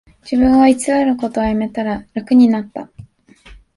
自分を偽ることをやめたら楽になった